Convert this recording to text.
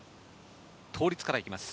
倒立からいきます。